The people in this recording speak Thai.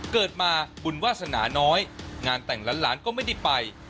เกิดมาบุญวาสนาน้อยงานแต่งล้านก็ไม่ได้ไป